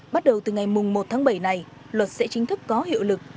bắt đầu từ ngày một tháng bảy này luật sẽ chính thức có hiệu lực